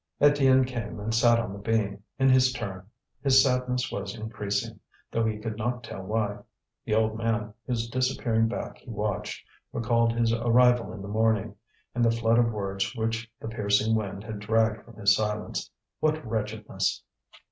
Étienne came and sat on the beam, in his turn. His sadness was increasing, though he could not tell why. The old man, whose disappearing back he watched, recalled his arrival in the morning, and the flood of words which the piercing wind had dragged from his silence. What wretchedness!